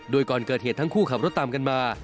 โดยก่อนเกิดเหตุทั้งคู่ขับรถตามกันมา